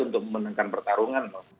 untuk memenangkan pertarungan